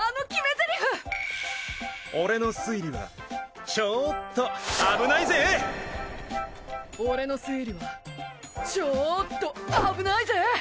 カケル：俺の推理はちょっとあぶ俺の推理はちょっとあぶないぜ！